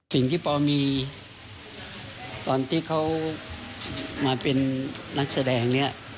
สิ่งที่ปมีตอนที่เขามาเป็นนักแสดง